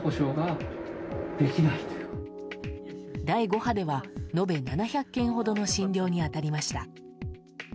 第５波では延べ７００件ほどの診療に当たりました。